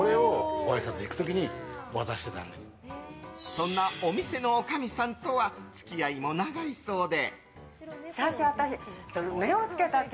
そんなお店のおかみさんとは付き合いも長いそうで。